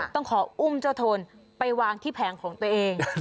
ต้องขออุ้มเจ้าโทนไปวางที่แผงของตัวเอง